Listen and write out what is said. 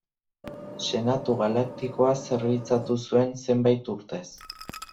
Senatu Galaktikoa zerbitzatu zuen zenbait urtez.